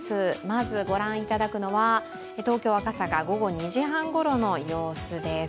まず御覧いただくのは東京・赤坂午後２時半ごろの様子です。